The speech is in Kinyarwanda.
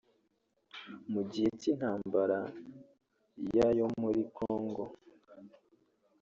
Mu gihe cy’intambara ya yo muri Kongo